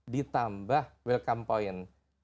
ditambah welcome point